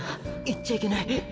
いっちゃいけない」。